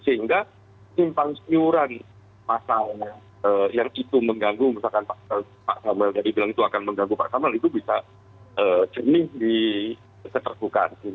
sehingga simpan senyuran masalah yang itu mengganggu misalkan pak samuel tadi bilang itu akan mengganggu pak samuel itu bisa jernih di seterbukaan